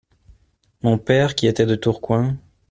Mon père, qui était de Tourcoing…